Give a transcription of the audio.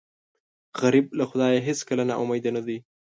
غریب له خدایه هېڅکله نا امیده نه دی